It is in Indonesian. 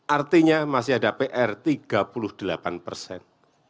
artinya masih ada pr tiga puluh delapan persen